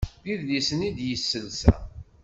D idlisen i d iselsa.